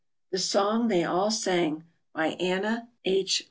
THE SONG THEY ALL SANG. BY ANNA H.